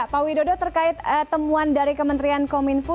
pak widodo terkait temuan dari kementerian kominfo